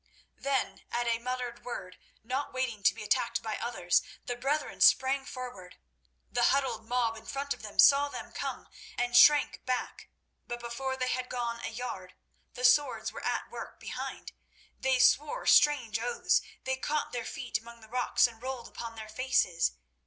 Then, at a muttered word, not waiting to be attacked by others, the brethren sprang forward. The huddled mob in front of them saw them come, and shrank back, but before they had gone a yard, the swords were at work behind. They swore strange oaths, they caught their feet among the rocks, and rolled upon their faces.